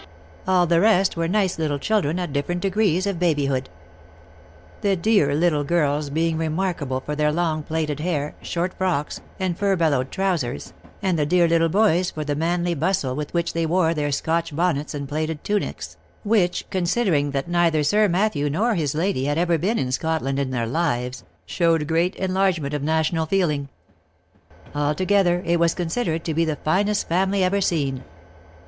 All the rest were nice little children of different degrees of baby hood ; the dear little girls being remarkable for their long plaited hair, short frocks, and furbelowed trousers, and the dear little boys for the manly bustle with which they wore their Scotch bonnets and plaided tunics, which, considering that neither Sir Matthew nor his OF MICHAEL ARMSTRONG. 5 lady had ever been in Scotland in their lives, showed great enlarge ment of national feeling. Altogether, it was considered to be the finest family ever seen.